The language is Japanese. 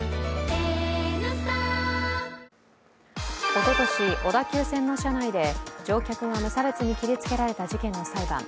おととし、小田急線の車内で乗客が無差別に切りつけられた事件の裁判。